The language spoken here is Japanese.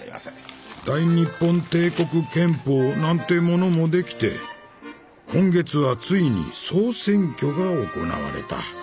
大日本帝国憲法なんてものも出来て今月はついに総選挙が行われた。